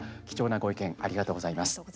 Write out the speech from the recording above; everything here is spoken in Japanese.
貴重なご意見ありがとうございます。